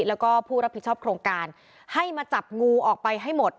แล้วก็ผู้รับผิดชอบโครงการให้มาจับงูออกไปให้หมด